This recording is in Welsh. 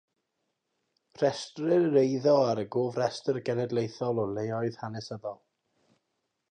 Rhestrir yr eiddo ar y Gofrestr Genedlaethol o Leoedd Hanesyddol.